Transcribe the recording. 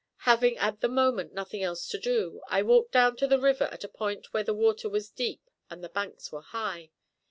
Having at the moment nothing else to do, I walked down to the river at a point where the water was deep and the banks were high.